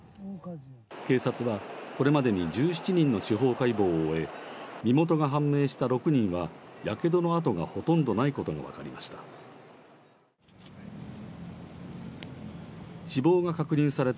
警察は、これまでに１７人の司法解剖を終え身元が判明した６人はやけどの痕がほとんどないことが分かりました。